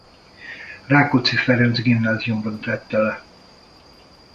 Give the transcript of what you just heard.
Rákóczi Ferenc Gimnáziumban tette le.